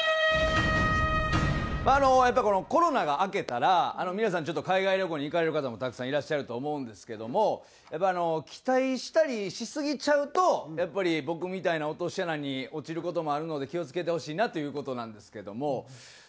まああのやっぱりこのコロナが明けたら皆さんちょっと海外旅行に行かれる方もたくさんいらっしゃると思うんですけどもやっぱり期待したりしすぎちゃうとやっぱり僕みたいな落とし穴に落ちる事もあるので気を付けてほしいなという事なんですけども。